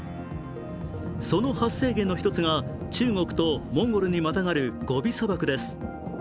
その発生源の一つが中国とモンゴルにまたがるゴビ砂漠です。